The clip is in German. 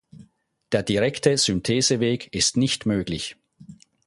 Der direkte Syntheseweg ist nicht möglich.